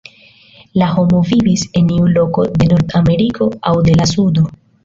La homo vivis en iu loko de Nord-Ameriko aŭ de la Sudo.